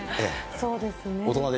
そうですね。